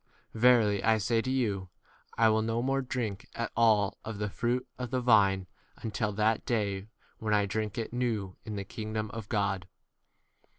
Verily I say to you, I will no more drink at all of the fruit of the vine until that day when I drink it new v in the kingdom 29 of God.